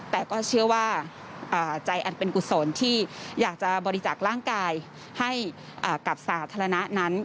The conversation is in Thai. แต่ก็เชื่อว่าใจอันเป็นกุศลที่อยากจะบริจาคร่างกายให้กับสาธารณะนั้น